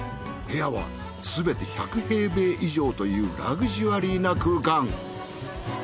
部屋はすべて１００平米以上というラグジュアリーな空間。